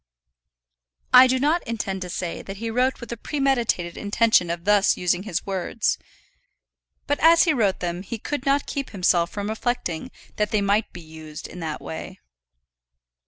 I do not intend to say that he wrote with a premeditated intention of thus using his words; but as he wrote them he could not keep himself from reflecting that they might be used in that way.